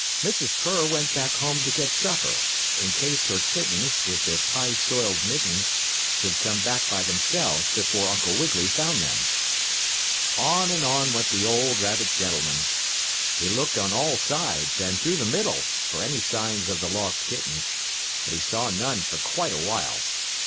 Mrs. Purr went back home to get supper, in case her kittens, with their pie soiled mittens, should come back by themselves before Uncle Wiggily found them. On and on went the old rabbit gentleman. He looked on all sides and through the middle for any signs of the lost kittens, but he saw none for quite a while.